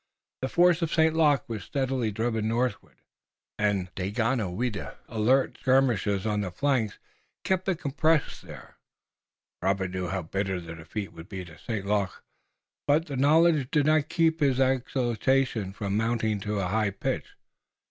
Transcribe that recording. The force of St. Luc was steadily driven northward, and Daganoweda's alert skirmishers on the flanks kept it compressed together. Robert knew how bitter the defeat would be to St. Luc, but the knowledge did not keep his exultation from mounting to a high pitch.